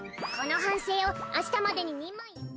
この反省を明日までに。